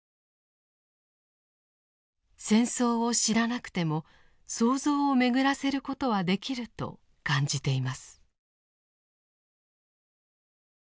戦争を知らなくても想像を巡らせることはできると感じています。